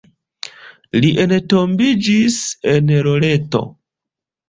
Li entombiĝis en Loreto.